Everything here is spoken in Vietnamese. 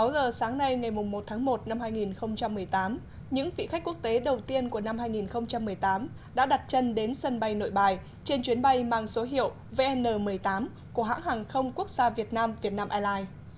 sáu giờ sáng nay ngày một tháng một năm hai nghìn một mươi tám những vị khách quốc tế đầu tiên của năm hai nghìn một mươi tám đã đặt chân đến sân bay nội bài trên chuyến bay mang số hiệu vn một mươi tám của hãng hàng không quốc gia việt nam vietnam airlines